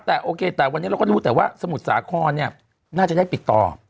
แต่โอเคแต่วันนี้เราก็รู้แต่ว่าสมุทรสาครเนี่ยน่าจะได้ติดต่อ